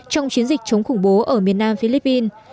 trong chiến dịch chống khủng bố ở miền nam philippines